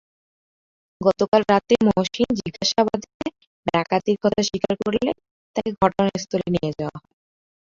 গতকাল রাতে মহসীন জিজ্ঞাসাবাদে ডাকাতির কথা স্বীকার করলে তাঁকে ঘটনাস্থলে নিয়ে যাওয়া হয়।